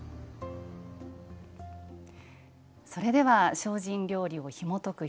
それでは精進料理をひもとく